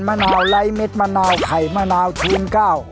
มะนาวไร้เม็ดมะนาวไข่มะนาวชูนเก้า